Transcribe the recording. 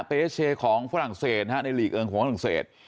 เปเชของฝรั่งเศสในหลีกเอิงของฝรั่งเศส